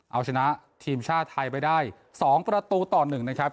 เอาชนะทีมชาติไทยไปได้๒ประตูต่อ๑นะครับ